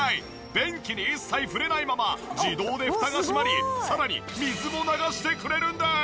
便器に一切触れないまま自動でフタが閉まりさらに水も流してくれるんです！